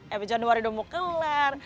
eh januari udah mau kelar